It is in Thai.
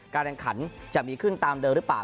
การแข่งขันจะมีขึ้นตามเดิมหรือเปล่า